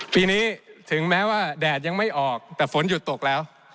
ปีนี้ถึงแม้ว่าแดดยังไม่ออกแต่ฝนหยุดตกแล้ว